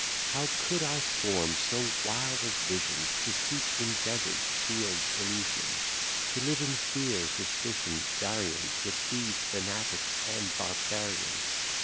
How could I form so wild a vision, To seek, in deserts, Fields Elysian? To live in fear, suspicion, variance, With thieves, fanatics, and barbarians?